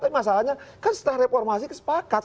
tapi masalahnya kan setelah reformasi kesepakat